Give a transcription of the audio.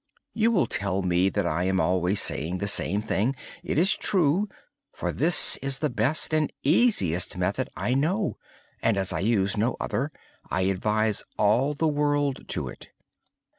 You will tell me that I always say the same thing. It is true, for this is the best and easiest method I know. I use no other. I advise all the world to do it.